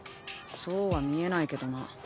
そうは見えないけどな。